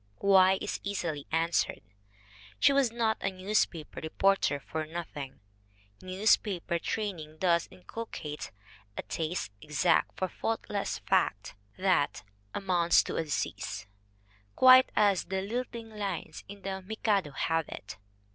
Why, is easily answered. She was not a newspaper re porter for nothing. Newspaper training does incul cate "a taste exact for faultless fact" that "amounts 68 KATHLEEN NORRIS 69 to a disease," quite as the lilting lines in The Mikado have it.